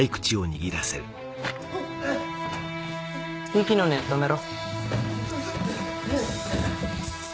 息の根止めろ